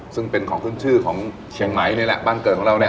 ซึ่งเป็นของขึ้นชื่อของเชียงใหม่นี่แหละบ้านเกิดของเราเนี่ย